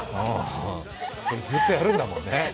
ずっとやるんだもんね。